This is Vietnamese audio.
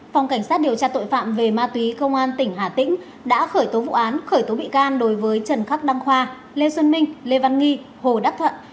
phòng cảnh sát điều tra tội phạm về ma túy công an tỉnh hà tĩnh đã khởi tố vụ án khởi tố bị can đối với trần khắc đăng khoa lê xuân minh lê văn nghi hồ đắc thuận